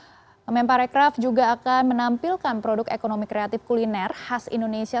menteri pariwisata dan ekonomi kreatif juga akan menampilkan produk ekonomi kreatif kuliner khas indonesia